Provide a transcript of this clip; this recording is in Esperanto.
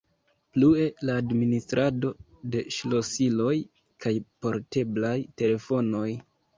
Plue la administrado de ŝlosiloj kaj porteblaj telefonoj.